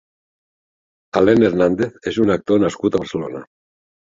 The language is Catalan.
Alain Hernández és un actor nascut a Barcelona.